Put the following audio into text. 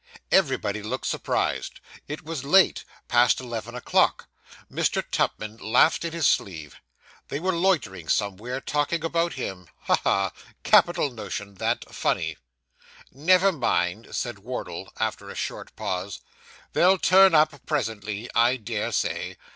Everybody looked surprised. It was late past eleven o'clock. Mr. Tupman laughed in his sleeve. They were loitering somewhere, talking about him. Ha, ha! capital notion that funny. 'Never mind,' said Wardle, after a short pause. 'They'll turn up presently, I dare say.